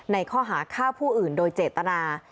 ในข้อหาฆ่าผู้อื่นโดยเจตนา